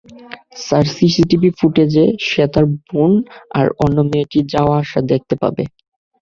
Sir, CCTV ফুটেজে সে তার বোন আর অন্য মেয়েটির যাওয়া আসা দেখতে পাবে।